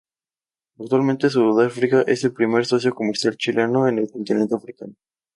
Actualmente, Sudáfrica es el primer socio comercial chileno en el continente africano.